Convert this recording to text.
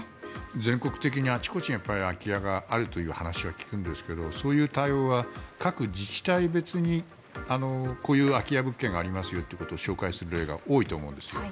全国的にあちこちに空き家があるという話は聞くんですがそういう対応は各自治体別にこういう空き家物件がありますよというのを紹介する例が多いと思うんですよ。